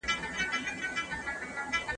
زه مڼه خورم.